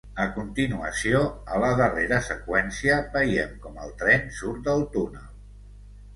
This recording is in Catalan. A continuació, a la darrera seqüència, veiem com el tren surt del túnel.